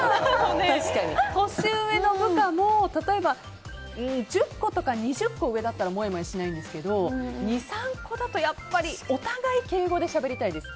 年上の部下も例えば１０個とか２０個上だったらもやもやしないんですけど２３個だとお互い敬語でしゃべりたいです。